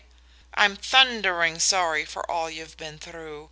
I'm thundering sorry for all you've been through.